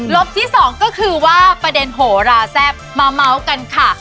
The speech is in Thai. บที่สองก็คือว่าประเด็นโหราแซ่บมาเมาส์กันค่ะ